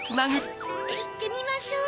いってみましょう！